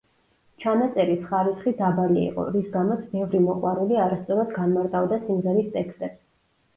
ჩანაწერის ხარისხი დაბალი იყო, რის გამოც ბევრი მოყვარული არასწორად განმარტავდა სიმღერის ტექსტებს.